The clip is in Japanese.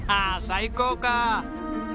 最高かあ。